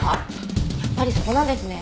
やっぱりそこなんですね。